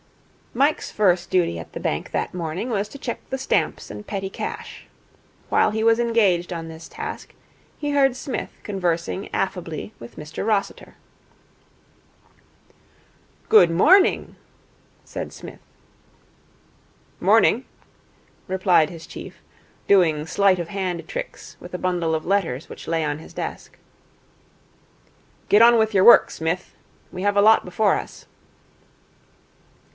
Mike's first duty at the bank that morning was to check the stamps and petty cash. While he was engaged on this task, he heard Psmith conversing affably with Mr Rossiter. 'Good morning,' said Psmith. 'Morning,' replied his chief, doing sleight of hand tricks with a bundle of letters which lay on his desk. 'Get on with your work, Psmith. We have a lot before us.'